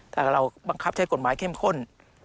แต่เราบังคับใช้กฎหมายเข้มข้น